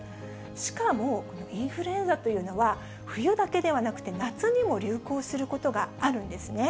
しかも、インフルエンザというのは、冬だけではなくて夏にも流行することがあるんですね。